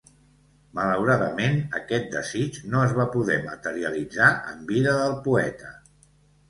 Malauradament, aquest desig no es va poder materialitzar en vida del poeta.